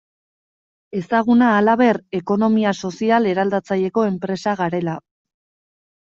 Ezaguna, halaber, ekonomia sozial eraldatzaileko enpresa garela.